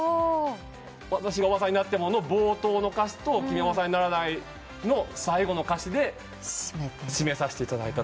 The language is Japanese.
『私がオバさんになっても』の冒頭の歌詞と『君はオバさんにならない』の最後の歌詞で締めさせていただいた。